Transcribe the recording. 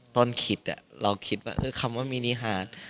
ต้นคิดอ่ะเราคิดว่าคือคำว่ามินิฮาร์ท